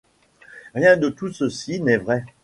Rien de tout ceci n’est vrai.